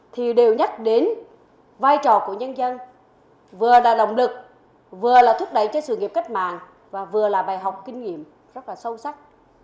thì đều nhắc đến vai trò của nhân dân vừa là động lực vừa là thúc đẩy cho sự nghiệp cách mạng và vừa là bài học kinh nghiệm rất là sâu sắc